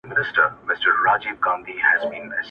کشکي ستا پر لوڅ بدن وای ځلېدلی!!!